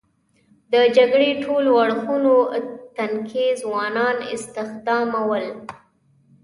د جګړې ټولو اړخونو تنکي ځوانان استخدامول.